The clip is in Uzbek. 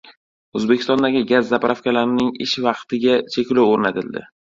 O‘zbekistondagi gaz zapravkalarining ish vaqtiga cheklov o‘rnatildi